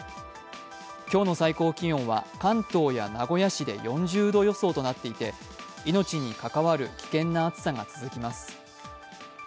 今日の最高気温は関東や名古屋市で４０度予想となっていて命に関わる危険な暑さが続きます。